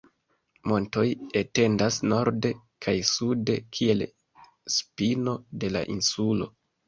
Montoj etendas norde kaj sude kiel spino de la insulo.